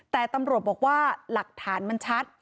แต่ตำรวจบอกว่าหลักฐานมันชัด